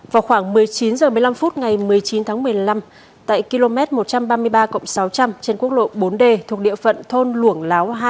vào khoảng một mươi chín h một mươi năm phút ngày một mươi chín tháng một mươi năm tại km một trăm ba mươi ba sáu trăm linh trên quốc lộ bốn d thuộc địa phận thôn luổng láo hai